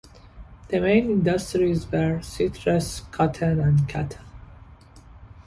The main industries were citrus, cotton, and cattle.